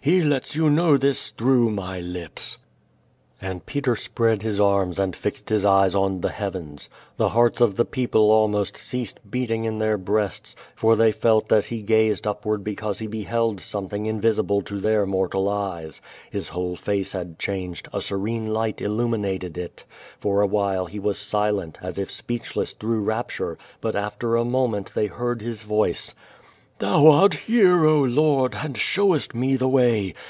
He lets you know this through my lips." And Peter spread QUO VADTS. 3gQ his arms and fixed his 03'cs on the heavens. The hearts of the people almost ceased l)eatinir in their breasts, for they felt that he gazed upward because be beheld something invisi])]e to tlieir mortal eyes. His wliole face had changed, a serene light illuminated it. For a while he was silent, as if speech less through rapture, but after a moment they heard his voice. ^'Thou art liere, oh, Lord! and showest me the way.